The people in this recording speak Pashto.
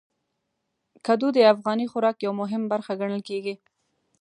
کدو د افغاني خوراک یو مهم برخه ګڼل کېږي.